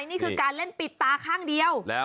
นี่คือการเล่นปิดตาข้างเดียว